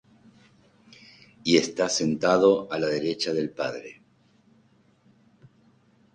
y está sentado a la derecha del Padre;